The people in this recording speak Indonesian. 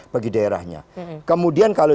bagi daerahnya kemudian kalau